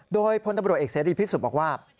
โดยพลตำรวจเอกเสรีพิสุทธิ์บอกว่า